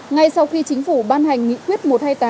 ngay sau khi chính phủ ban hành nghị quyết một trăm hai mươi tám